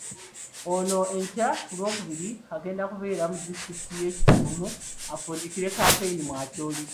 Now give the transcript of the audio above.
Ono enkya ku Lwokubiri agenda kubeera mu disitulikiti y'e Kitgum ng'afundikira kampeyini mu Acholi.